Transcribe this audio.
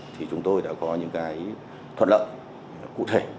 thì chúng tôi đã có những cái thuận lợi cụ thể